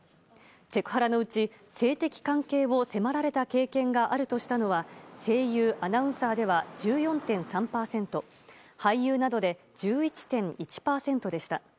セクハラのうち性的関係を迫られた経験があるとしたのは声優・アナウンサーで１４．３％俳優などで１１．１％でした。